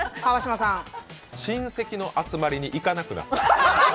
親戚の集まりに行かなくなった。